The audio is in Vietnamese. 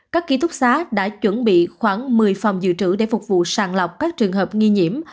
các ký túc xá đã chuẩn bị khoảng một mươi phòng dự trữ để phục vụ sàng lọc các trường hợp nghi nhiễm